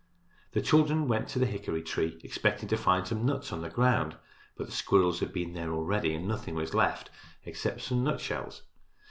The children went to a hickory tree expecting to find some nuts on the ground, but the squirrels had been there already and nothing was left except some nut shells.